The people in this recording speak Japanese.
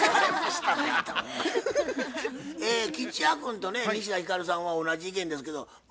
吉弥君とね西田ひかるさんは同じ意見ですけどま